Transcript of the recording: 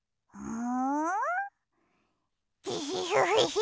ん？